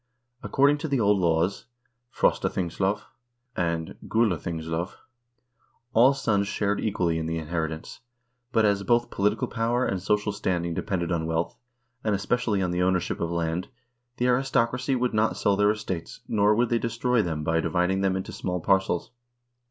According to the old laws ("Frostathingslov" and "Gulathingslov") all sons shared equally in the inheritance, but as both political power and social standing depended on wealth, and especially on the ownership of land, the aristocracy would not sell their estates, nor would they destroy them by dividing them into small parcels.